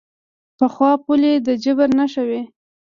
پخوا پولې د جبر نښه وې.